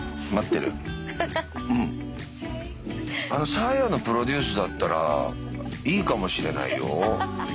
サーヤのプロデュースだったらいいかもしれないよ。